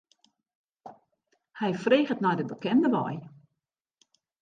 Hy freget nei de bekende wei.